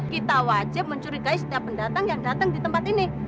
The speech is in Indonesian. kita wajib mencurigai setiap pendatang yang datang di tempat ini